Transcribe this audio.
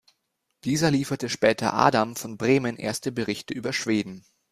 Dieser lieferte später Adam von Bremen erste Berichte über Schweden.